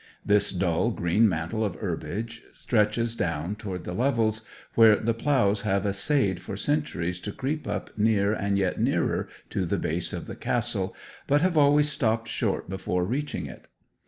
This dull green mantle of herbage stretches down towards the levels, where the ploughs have essayed for centuries to creep up near and yet nearer to the base of the castle, but have always stopped short before reaching it.